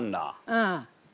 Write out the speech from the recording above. うん。